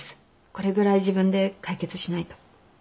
これぐらい自分で解決しないと。